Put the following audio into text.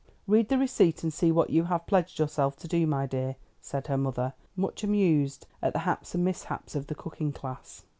Read the receipt and see what you have pledged yourself to do, my dear," said her mother, much amused at the haps and mishaps of the cooking class.